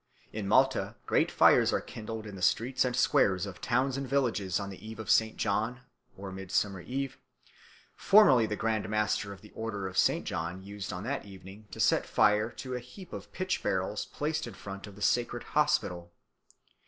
In Malta great fires are kindled in the streets and squares of the towns and villages on the Eve of St. John (Midsummer Eve); formerly the Grand Master of the Order of St. John used on that evening to set fire to a heap of pitch barrels placed in front of the sacred Hospital.